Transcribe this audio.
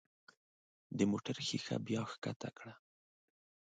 د موټر ښيښه بیا ښکته کړه.